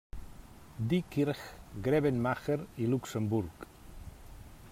Diekirch, Grevenmacher i Luxemburg.